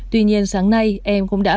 tuy nhiên sáng nay em cũng đã